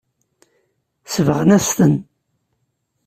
Sebɣen-as-ten.